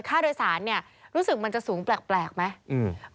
ค่าโดยสารเนี่ยรู้สึกมันจะสูงแปลกไหม